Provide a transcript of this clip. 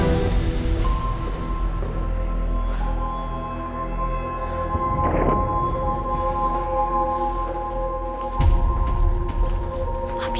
kalau mama gak akan mencari